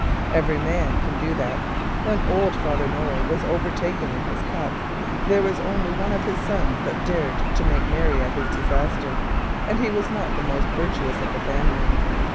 Every man can do that. When old Father Noah was overtaken in his cups, there was only one of his sons that dared to make merry at his disaster, and he was not the most virtuous of the family.